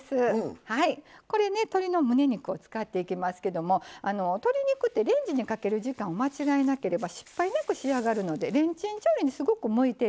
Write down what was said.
これね鶏のむね肉を使っていきますけども鶏肉ってレンジにかける時間を間違えなければ失敗なく仕上がるのでレンチン調理にすごく向いてるんです。